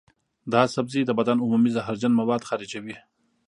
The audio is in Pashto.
دا سبزی د بدن عمومي زهرجن مواد خارجوي.